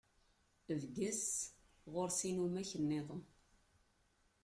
Bges, ɣur-s inumak-nniḍen.